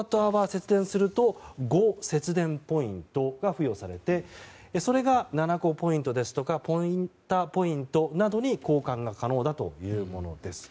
節電すると５節電ポイントが付与されてそれがｎａｎａｃｏポイントですとかＰｏｎｔａポイントなどに交換が可能だというものです。